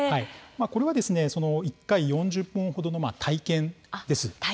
これは１回、４０分程の体験なんです。